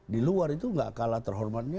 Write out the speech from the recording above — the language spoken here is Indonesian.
di luar itu gak kalah terhormatnya